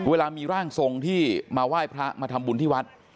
เวลามีร่างทรงที่มาไหว้พระมาทำบุญที่วัด